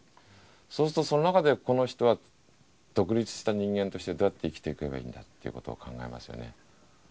そうするとその中でこの人は独立した人間としてどうやって生きていけばいいんだっていうことを考えますよね。